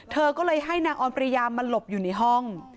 เธอก็เลยให้นางออนปริยามาหลบอยู่ในห้อง